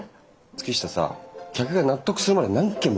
月下さ客が納得するまで何件も回るでしょ。